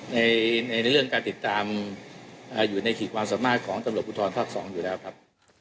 ในเรื่องการติดตามอยู่ในขีดความสามารถของตำรวจภูทรภาค๒อยู่แล้วครับ